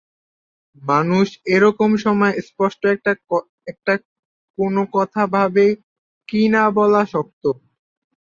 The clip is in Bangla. মানুষ এরকম সময় স্পষ্ট একটা কোনো কথা ভাবে কি না বলা শক্ত।